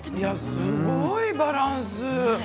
すごいバランス。